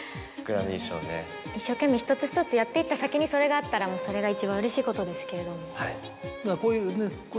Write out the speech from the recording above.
一生懸命一つ一つやっていった先にそれがあったらそれが一番うれしいことですけれど。